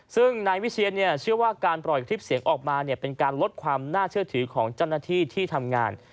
ซึ่งนายวิเชียนเชื่อว่าการปล่อยคลิปเสียงออกมาเป็นการลดความน่าเชื่อถือของเจ้าหน้าที่ที่ทำงาน